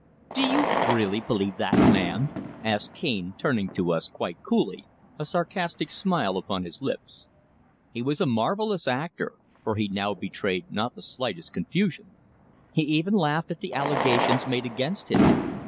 "Do you really believe that man?" asked Cane, turning to us quite coolly, a sarcastic smile upon his lips. He was a marvellous actor, for he now betrayed not the slightest confusion. He even laughed at the allegations made against him.